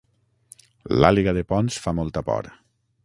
L'àliga de Ponts fa molta por